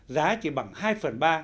giá chỉ bằng hai phần ba